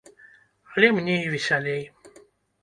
Але мне і весялей!